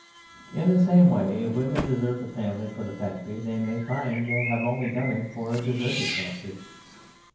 In the same way, if women desert the family for the factory, they may find they have only done it for a deserted factory.